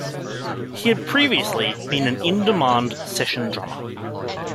He had previously been an in demand session drummer.